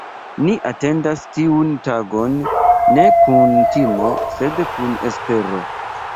Ni atendas tiun tagon ne kun timo, sed kun espero.